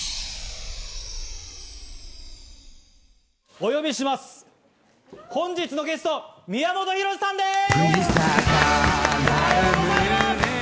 お呼びします、本日のゲスト、宮本浩次さんです！